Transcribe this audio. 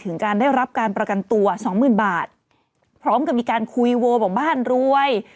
ถึงการได้รับการประกันตัวสองหมื่นบาทพร้อมกับมีการคุยโวบอกบ้านรวย